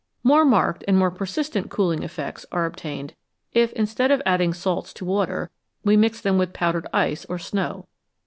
More marked and more persistent cooling effects are obtained, if, instead of adding salts to water, we mix them with powdered ice or snow.